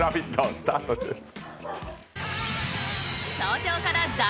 スタートです。